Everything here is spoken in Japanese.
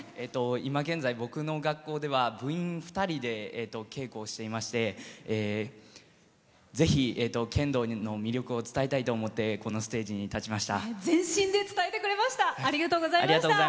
いま現在、僕の学校では部員２人で稽古をしていましてぜひ剣道の魅力を伝えたいと思ってこのステージに立ちました。